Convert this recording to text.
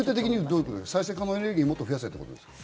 再生可能エネルギーをもっと増やせってことですか？